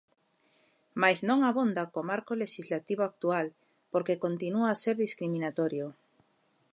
Mais non abonda co marco lexislativo actual, porque continúa a ser discriminatorio.